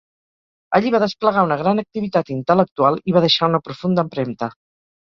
Allí va desplegar una gran activitat intel·lectual i va deixar una profunda empremta.